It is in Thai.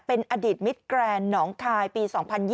เป็นอดีตมิดแกรนด์หนองคายปี๒๐๒๐